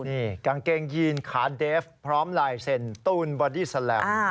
นี่กางเกงยีนขาเดฟพร้อมลายเซ็นตูนบอดี้แลม